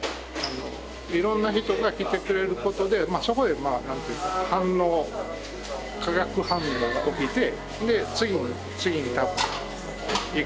いろんな人が来てくれることでそこでまあ何というか反応化学反応が起きてで次に次にいく。